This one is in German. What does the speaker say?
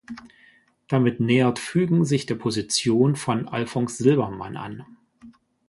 Damit nähert Fügen sich der Position von Alphons Silbermann an.